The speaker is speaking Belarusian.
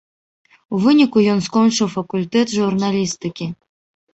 У выніку ён скончыў факультэт журналістыкі.